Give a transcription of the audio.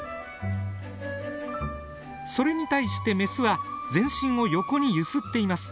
それに対してメスは全身を横に揺すっています。